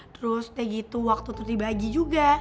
terus udah gitu waktu tuh dibagi juga